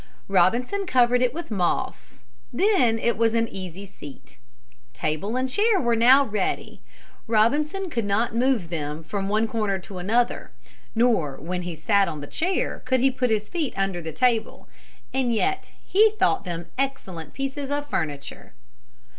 Robinson covered it with moss. Then it was an easy seat. Table and chair were now ready. Robinson could not move them from one corner to another, nor when he sat on the chair could he put his feet under the table, and yet he thought them excellent pieces of furniture.